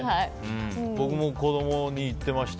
僕も子供に言ってました。